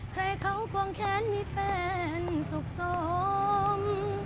ใครเขาควงแขนมีแฟนสุขสม